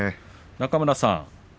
中村さん